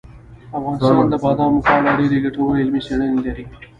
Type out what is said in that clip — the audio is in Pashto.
افغانستان د بادامو په اړه ډېرې ګټورې علمي څېړنې لري.